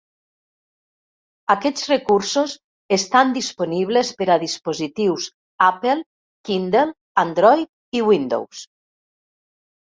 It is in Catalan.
Aquests recursos estan disponibles per a dispositius Apple, Kindle, Android i Windows.